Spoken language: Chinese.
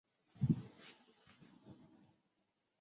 曾希圣是邓小平与卓琳结婚的介绍人。